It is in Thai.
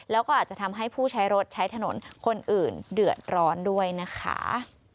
แล้วก็อาจจะทำให้ผู้ใช้รถใช้ถนนคนอื่นเดือดร้อนด้วยนะคะ